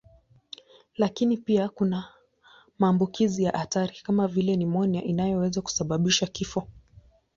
Lakini pia kuna maambukizi ya hatari kama vile nimonia inayoweza kusababisha kifo.